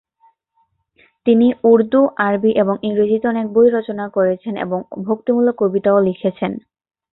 তিনি উর্দু, আরবি এবং ইংরেজিতে অনেক বই রচনা করেছেন এবং ভক্তিমূলক কবিতাও লিখেছেন।